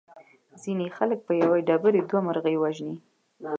ځینې خلک په یوې ډبرې دوه مرغۍ وژني.